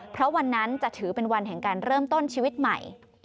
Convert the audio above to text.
เพราะวันนั้นจะถือเป็นวันแห่งการเริ่มต้นชีวิตใหม่